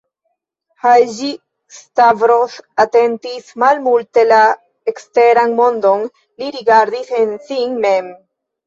Haĝi-Stavros atentis malmulte la eksteran mondon: li rigardis en sin mem.